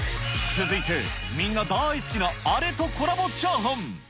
続いてみんな大好きなあれとコラボチャーハン。